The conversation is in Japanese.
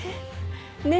ねえ？